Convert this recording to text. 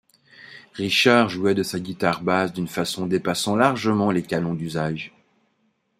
Richard jouait de sa guitare basse d'une façon dépassant largement les canons d'usage.